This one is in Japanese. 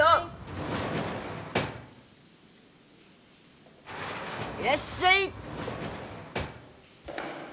・はいいらっしゃい！